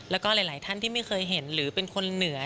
แล้วก็หลายท่านที่ไม่เคยเห็นหรือเป็นคนเหนือ